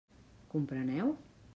Compreneu?